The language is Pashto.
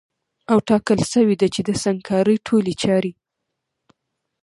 او ټاکل سوې ده چي د سنګکارۍ ټولي چاري